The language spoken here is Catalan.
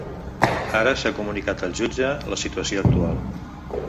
Ara s’ha comunicat el jutge la situació actual.